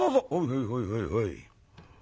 「はいはいはいはい。